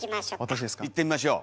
いってみましょう。